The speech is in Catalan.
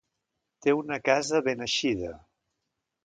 Té una casa a Beneixida.